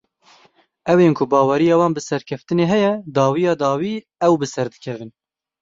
Ew ên ku baweriya wan bi serkeftinê heye, dawiya dawî ew bi ser dikevin.